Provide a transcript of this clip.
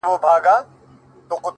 • آزادي هلته نعمت وي د بلبلو ,